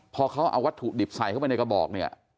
พอเขาเอาวัตถุดิบใส่เข้าไปในกระบอกเนี่ย